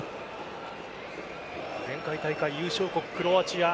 前回大会準優勝国・クロアチア